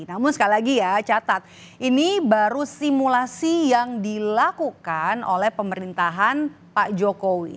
namun sekali lagi ya catat ini baru simulasi yang dilakukan oleh pemerintahan pak jokowi